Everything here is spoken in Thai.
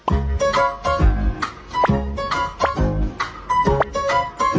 อีก